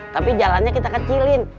tapi jalannya kita kecilin